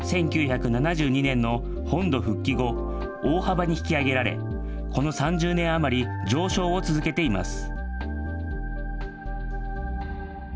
１９７２年の本土復帰後、大幅に引き上げられ、この３０年余り、上昇を続けています。